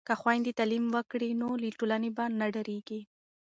که خویندې تعلیم وکړي نو له ټولنې به نه ډاریږي.